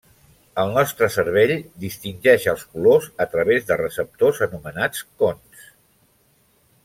El nostre cervell distingeix els colors a través de receptors anomenats cons.